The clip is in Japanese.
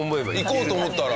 行こうと思ったら。